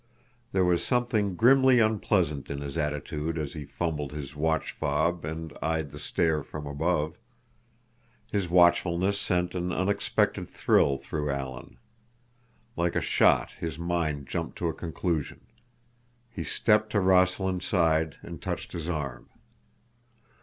There was something grimly unpleasant in his attitude as he fumbled his watch fob and eyed the stair from above. His watchfulness sent an unexpected thrill through Alan. Like a shot his mind jumped to a conclusion. He stepped to Rossland's side and touched his arm.